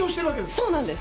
そうなんです。